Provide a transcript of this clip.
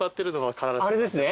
あれですね？